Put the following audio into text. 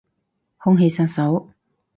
空氣殺手